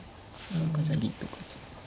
何かじゃあ銀とか打ちますか。